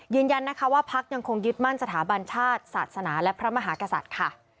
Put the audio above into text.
ยืนยันนะคะว่าพักยังคงยึดมั่นสถาบันชาติศาสนาและพระมหากษัตริย์ค่ะ